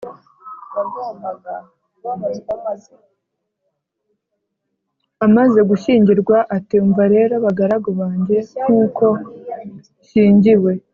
Amaze gushyingirwa ati: "Umva rero bagaragu banjye, nk'uko nshyingiwe